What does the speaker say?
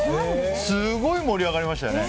すごい盛り上がりましたよね。